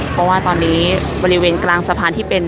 เพราะว่าตอนนี้บริเวณกลางสะพานที่เป็น